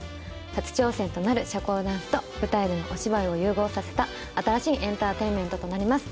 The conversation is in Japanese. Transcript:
初挑戦となる社交ダンスと舞台でのお芝居を融合させた新しいエンターテインメントとなります。